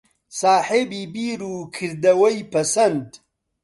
ساحێبی بیر و کردەوەی پەسەند